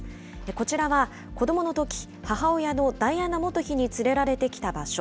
こちらは、子どものとき、母親のダイアナ元妃に連れられてきた場所。